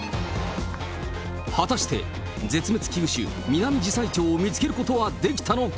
果たして絶滅危惧種、ミナミジサイチョウを見つけることはできたのか？